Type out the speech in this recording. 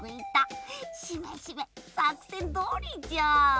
しめしめさくせんどおりじゃーん。